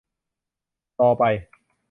รอไป